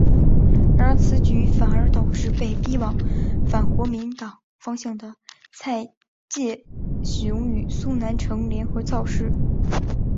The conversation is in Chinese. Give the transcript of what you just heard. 然而此举反而导致被逼往反国民党方向的蔡介雄与苏南成联合造势。